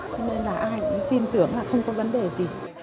cho nên là ai cũng tin tưởng là không có vấn đề gì